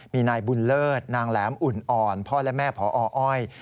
มีนายบุญเลิศนางแหลมอุ่นอ่อนพ่อและแม่พออ้อย